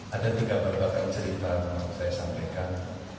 ada tiga berbagai cerita yang saya sampaikan